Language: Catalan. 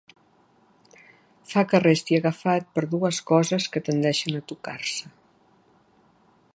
Fa que resti agafat per dues coses que tendeixen a tocar-se.